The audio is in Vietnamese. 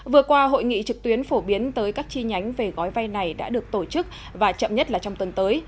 vừa qua hội nghị trực tuyến phổ biến tới các chi nhánh về gói vay này đã được tổ chức và chậm nhất là trong tuần tới